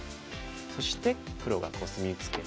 そして黒がコスミツケて。